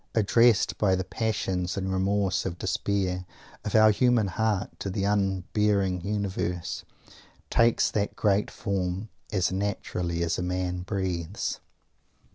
addressed by the passion and remorse and despair of our human heart to the unhearing Universe, takes that great form as naturally as a man breathes.